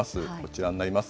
こちらになります。